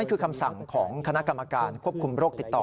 คำสั่งของคณะกรรมการควบคุมโรคติดต่อ